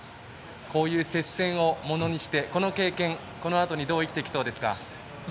こういう接戦をものにしてこの経験、このあとにどう生きてきそうですか？